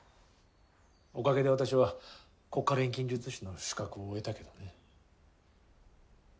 おかげで私は国家錬金術師の資格を得たけどね